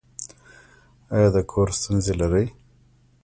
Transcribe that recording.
ایا د کور ستونزې لرئ؟